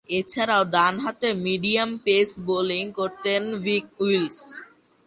এছাড়াও ডানহাতে medium pace bowling করতেন ভিক উইলসন।